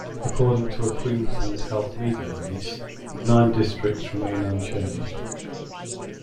According to a Queensland Health media release, nine districts remain unchanged.